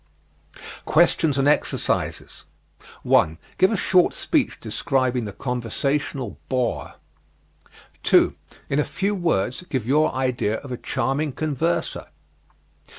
QUESTIONS AND EXERCISES 1. Give a short speech describing the conversational bore. 2. In a few words give your idea of a charming converser.